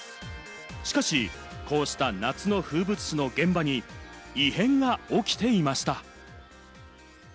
しかし、こうした夏の風物詩の現場に異変が起きていました。